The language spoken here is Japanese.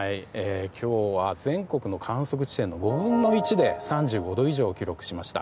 今日は全国の観測地点の５分の１で３５度以上を記録しました。